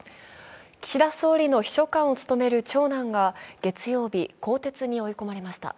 岸田総理の秘書官を務める長男が月曜日、更迭に追い込まれました。